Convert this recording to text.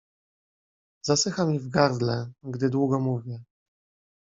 "Zasycha mi w gardle, gdy długo mówię“."